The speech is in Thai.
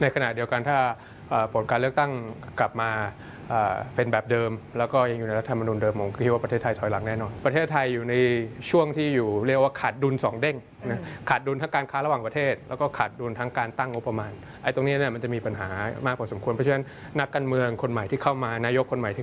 ขณะเดียวกันถ้าผลการเลือกตั้งกลับมาเป็นแบบเดิมแล้วก็ยังอยู่ในรัฐมนุนเดิมผมก็คิดว่าประเทศไทยถอยหลังแน่นอนประเทศไทยอยู่ในช่วงที่อยู่เรียกว่าขาดดุลสองเด้งนะขาดดุลทั้งการค้าระหว่างประเทศแล้วก็ขาดดุลทั้งการตั้งงบประมาณไอ้ตรงนี้เนี่ยมันจะมีปัญหามากพอสมควรเพราะฉะนั้นนักการเมืองคนใหม่ที่เข้ามานายกคนใหม่ที่